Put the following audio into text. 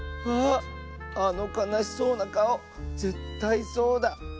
わああのかなしそうなかおぜったいそうだ。